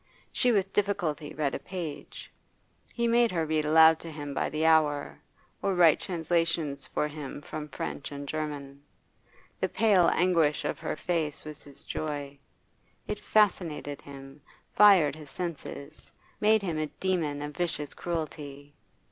She with difficulty read a page; he made her read aloud to him by the hour, or write translations for him from French and German. The pale anguish of her face was his joy; it fascinated him, fired his senses, made him a demon of vicious cruelty.